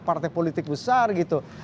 partai politik besar gitu